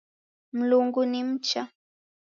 Mlungu ni mcha